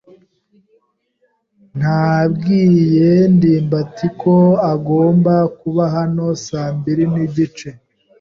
Nabwiye ndimbati ko agomba kuba hano saa mbiri nigice.